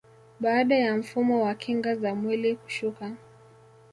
Baada ya mfumo wa kinga za mwili kushuka